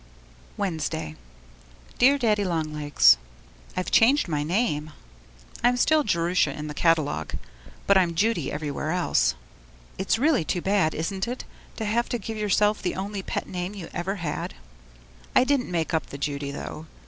Wednesday Dear Daddy Long Legs, I've changed my name. I'm still 'Jerusha' in the catalogue, but I'm 'Judy' everywhere else. It's really too bad, isn't it, to have to give yourself the only pet name you ever had? I didn't quite make up the Judy though.